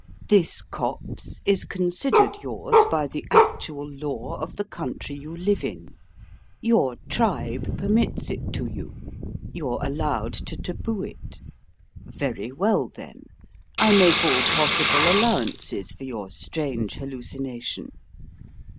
This copse is considered yours by the actual law of the country you live in: your tribe permits it to you: you're allowed to taboo it. Very well, then; I make all possible allowances for your strange hallucination.